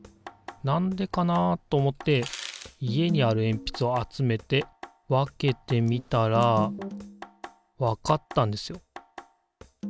何でかなと思って家にあるえんぴつを集めて分けてみたらわかったんですよ